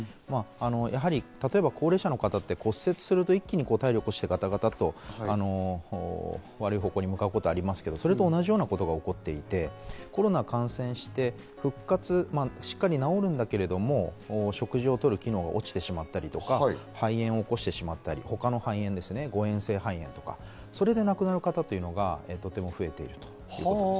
やはり高齢者の方って、感染をすると一気に抗体力が落ちて、ガタガタと悪い方向に向かうことがありますが、それと同じような事が起こっていて、コロナに感染して、しっかり治るんだけど、食事をとる機能が落ちてしまったり、肺炎を起こしてしまったり、他の誤嚥性肺炎とかですね、で亡くなるという方がとても増えているということです。